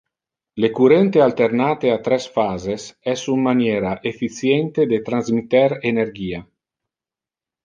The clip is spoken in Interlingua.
Le currente alternate a tres-phases es un maniera efficiente de transmitter energia.